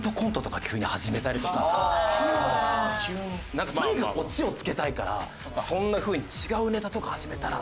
なんかとにかくオチをつけたいからそんな風に違うネタとか始めたら。